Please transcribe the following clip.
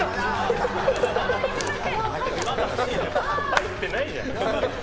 入ってないじゃん。